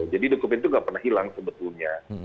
jadi dokumen itu nggak pernah hilang sebetulnya